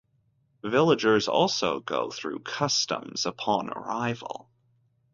Villagers also go through customs upon arrival.